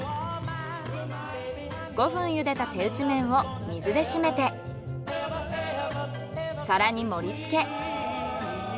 ５分茹でた手打ち麺を水でしめて皿に盛りつけ。